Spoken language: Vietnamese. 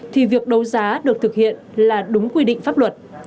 thì việc đấu giá được thực hiện là đúng quy định pháp luật